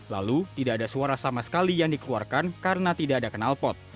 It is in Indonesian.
lalu tidak ada suara sama sekali yang dikeluarkan karena tidak ada kenal pot